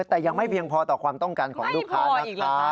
แต่ยังไม่เพียงพอต่อความต้องการของลูกค้านะคะ